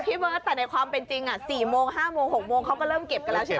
พี่เมื่อแต่ในความเป็นจริงอ่ะสี่โมงห้าโมงหกโมงเขาก็เริ่มเก็บกันแล้วใช่ไหม